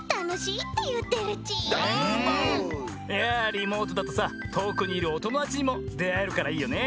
いやリモートだとさとおくにいるおともだちにもであえるからいいよね。